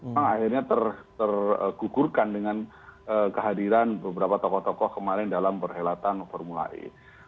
memang akhirnya tergugurkan dengan kehadiran beberapa tokoh tokoh kemarin dalam perhelatan formula e